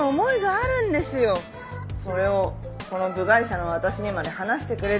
☎それをこの部外者の私にまで話してくれて。